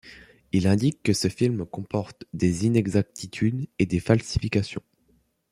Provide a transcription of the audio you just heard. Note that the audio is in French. Il indique que ce film comporte des inexactitudes et des falsifications.